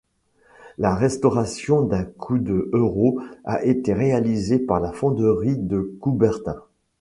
La restauration d'un coût de euros a été réalisée par la Fonderie de Coubertin.